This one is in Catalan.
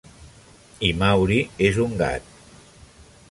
I Maury és un gat.